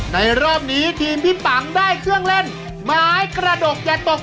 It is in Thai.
รอบนี้ทีมพี่ปังได้เครื่องเล่นไม้กระดกอย่าตก